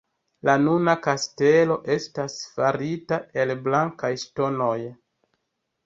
La nuna kastelo estas farita el blankaj ŝtonoj.